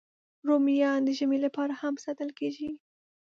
رومیان د ژمي لپاره هم ساتل کېږي